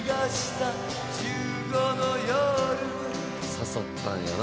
「刺さったんやな